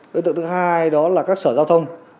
đối tượng thứ hai đó là các sở giao thông